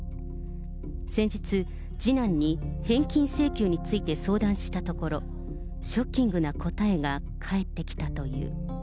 先日、次男に返金請求について相談したところ、ショッキングな答えが返ってきたという。